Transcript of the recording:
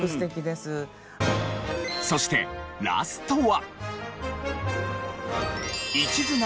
そしてラストは。